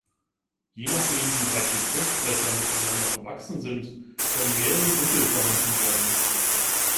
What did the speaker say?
Je nachdem, wie weit die Fruchtblätter miteinander verwachsen sind, können mehrere Griffel vorhanden sein.